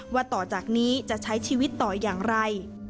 ว่าต่อจากนี้จะใช้ชีวิตต่ออย่างไร